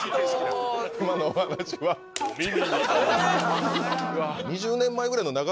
今のお話は。え。